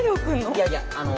いやいやあの。